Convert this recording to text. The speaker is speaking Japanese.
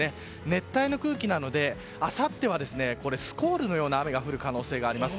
熱帯の空気なのであさってはスコールのような雨が降る可能性があります。